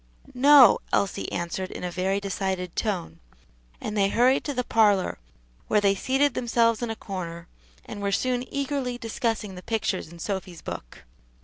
"No," Elsie answered in a very decided tone; and they hurried to the parlor, where they seated themselves in a corner, and were soon eagerly discussing the pictures in Sophy's book.